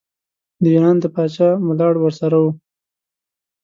د ایران د پاچا ملاړ ورسره وو.